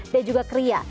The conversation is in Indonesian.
dan juga kria